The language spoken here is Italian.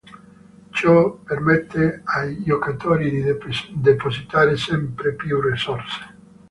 Ciò permette ai giocatori di depositare sempre più risorse.